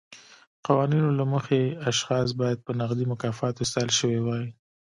قوانینو له مخې اشخاص باید په نغدي مکافاتو ستایل شوي وای.